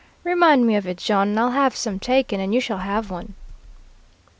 Remind me of it, John, and I'll have some taken, and you shall have one."